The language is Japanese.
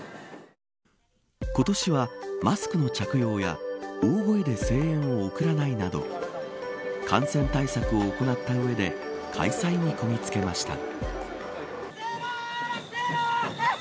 今年はマスクの着用や大声で声援を送らないなど感染対策を行った上で開催にこぎつけました。